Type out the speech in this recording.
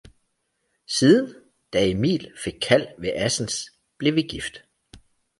Siden, da emil fik kald ved assens, blev vi gift